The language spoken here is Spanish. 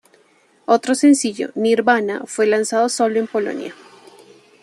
Otro sencillo, "Nirvana", fue lanzado sólo en Polonia.